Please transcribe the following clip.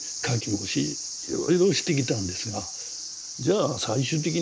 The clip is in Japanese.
もしいろいろしてきたんですがじゃあ最終的に何なのか。